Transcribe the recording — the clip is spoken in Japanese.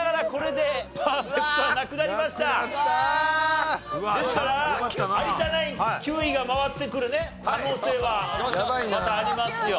ですから有田ナイン９位が回ってくるね可能性はまたありますよ。